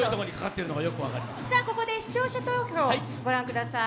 ここで視聴者投票、御覧ください。